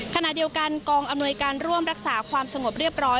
ขณะเดียวกันกองอำนวยการร่วมรักษาความสงบเรียบร้อย